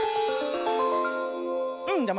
うんじゃあ